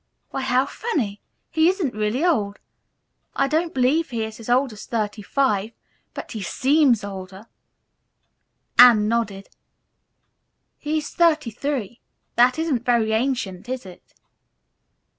"Why how funny! He isn't really old. I don't believe he is as old as thirty five, but he seems older." Anne nodded. "He is thirty three. That isn't very ancient, is it?"